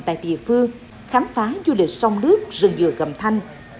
tại địa phương khám phá du lịch sông nước rừng dừa cầm thanh